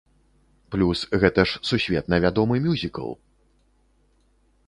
Плюс гэта ж сусветна вядомы мюзікл.